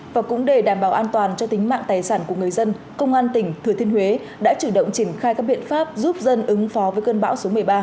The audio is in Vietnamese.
và cũng để đảm bảo an toàn cho tính mạng tài sản của người dân công an tỉnh thừa thiên huế đã chủ động triển khai các biện pháp giúp dân ứng phó với cơn bão số một mươi ba